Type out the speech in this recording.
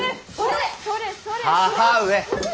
母上！